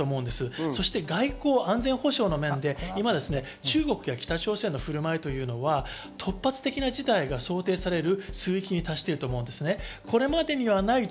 そして外交、安全保障の面で今、中国や北朝鮮の振る舞いというのは突発的な事態が想定される域に達していると思います。